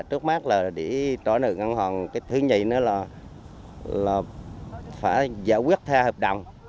trước mắt là để trở nổi ngăn hòn cái thứ nhì nữa là phải giải quyết theo hợp đồng